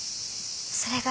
それが。